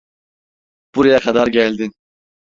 Buraya kadar geldin.